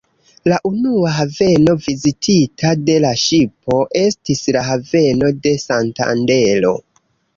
La unua haveno vizitita de la ŝipo estis la haveno de Santandero.